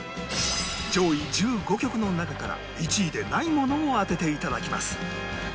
上位１５曲の中から１位でないものを当てて頂きます